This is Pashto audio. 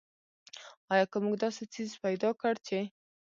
آیا که موږ داسې څیز پیدا کړ چې.